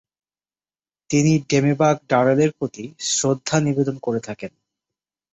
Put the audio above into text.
তিনি ডেমেবাগ ডারেলের প্রতি শ্রদ্ধা নিবেদন করে থাকেন।